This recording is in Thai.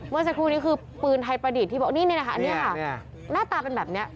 เมื่อสักครู่นี้คือปืนไทยประดิษฐ์ที่บอกนี่นะคะอันนี้ค่ะหน้าตาเป็นแบบนี้